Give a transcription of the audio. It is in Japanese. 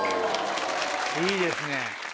いいですね。